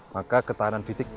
maka ketahanan fisik